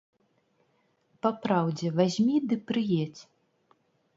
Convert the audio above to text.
Папраўдзе, вазьмі ды прыедзь.